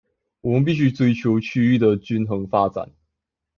我們必須追求區域的均衡發展